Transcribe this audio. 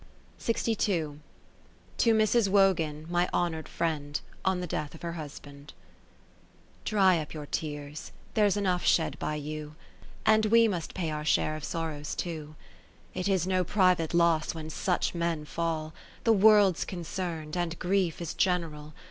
To Mrs, Wogan To Mrs. Wogan, my Hon oured Friend, on the Death of her Husband Dry up your tears, there 's enough shed by you, And we must pay our share of sorrows too. It is no private loss when such men fall. The World 's concern'd, and grief is general.